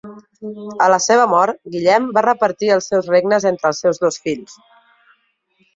A la seva mort, Guillem va repartir els seus regnes entre els seus dos fills.